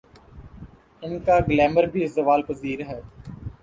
ان کا گلیمر بھی زوال پذیر ہے۔